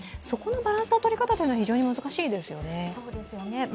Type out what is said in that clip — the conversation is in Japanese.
そこのバランスの取り方は非常に難しいですよね？